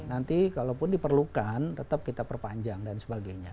nanti kalau pun diperlukan tetap kita perpanjang dan sebagainya